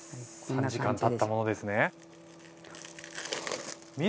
３時間たったものですね。